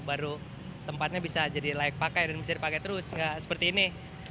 baru tempatnya bisa jadi layak pakai dan bisa dipakai terus seperti ini